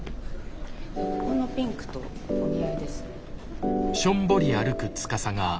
このピンクとお似合いです。